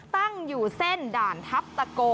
ตั้งอยู่เส้นด่านทัพตะโก